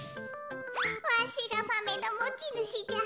わしがマメのもちぬしじゃ。